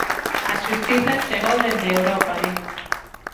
A xustiza chegou dende Europa, di.